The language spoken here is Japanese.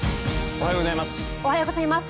おはようございます。